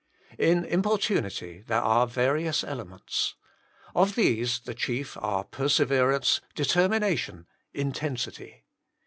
In importunity there are various elements. Of these the chief are perseverance, determination, intensity.